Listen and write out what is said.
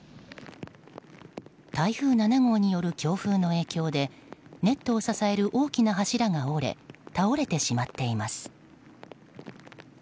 台風７号による強風の影響でネットを支える大きな柱が折れ倒れてしまっています。